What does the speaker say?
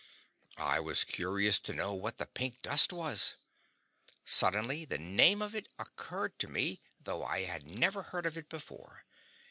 I was curious to know what the pink dust was. Suddenly the name of it occurred to me, though I had never heard of it before.